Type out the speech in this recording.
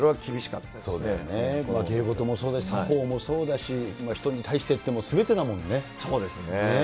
芸事もそうだし、作法もそうだし、人に対してっていうのも、そうですね。